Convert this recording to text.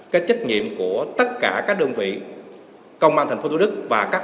cái trách nhiệm của tất cả các đơn vị công an thành phố thủ đức và các